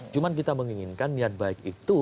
cuma kita menginginkan niat baik itu